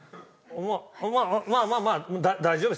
まあまあまあまあ大丈夫ですはい。